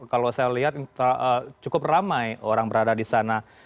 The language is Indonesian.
kalau saya lihat cukup ramai orang berada di sana